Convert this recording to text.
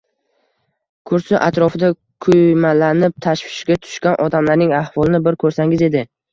Kursi atrofida kuymalanib tashvishga tushgan odamlarning ahvolini bir ko`rsangiz edi